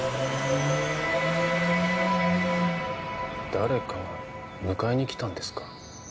誰かが迎えに来たんですか？